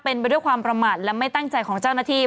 เป็นไปด้วยความประมาทและไม่ตั้งใจของเจ้าหน้าที่